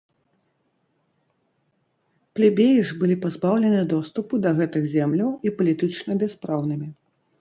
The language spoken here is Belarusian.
Плебеі ж былі пазбаўлены доступу да гэтых земляў і палітычна бяспраўнымі.